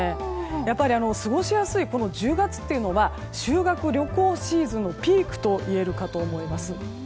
やっぱり過ごしやすいこの１０月というのは修学旅行シーズンのピークといえるかと思います。